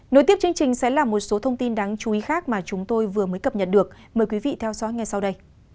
nối tiếp chương trình sẽ là một số thông tin đáng chú ý khác mà chúng tôi vừa mới cập nhật được mời quý vị theo dõi ngay sau đây